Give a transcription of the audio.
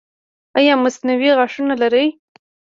ایا مصنوعي غاښونه لرئ؟